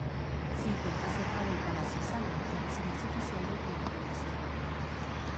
Se encuentra cerca de la Palacio Sager, la residencia oficial del primer ministro.